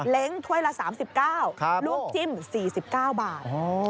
้งถ้วยละ๓๙ลวกจิ้ม๔๙บาท